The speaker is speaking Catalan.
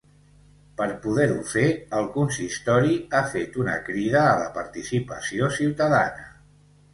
Per poder-ho fer, el consistori ha fet una crida a la participació ciutadana.